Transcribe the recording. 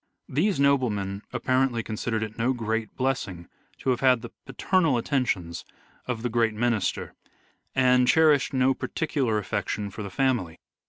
These noblemen apparently considered it no great blessing to have had the paternal attentions of the great minister, and cherished no particular affection for the family.